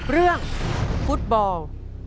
เรื่องฟุตบอล